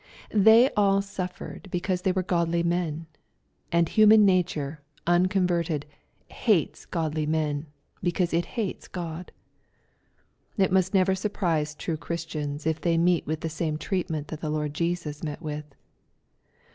They all suffered because they were godly men. And human nature, unconverted, hates godly men, because it hates God. It must never surprise true Christians if they meet with the same treatment that the Lord Jesus met with.